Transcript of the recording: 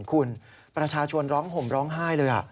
คุณประชาชนร้องห่มร้องไห้เลย